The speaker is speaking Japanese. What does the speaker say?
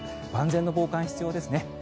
万全の防寒が必要ですね。